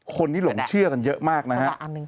คนที่หลงเชื่อกันเยอะมากนะครับ